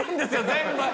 全部。